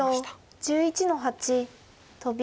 白１１の八トビ。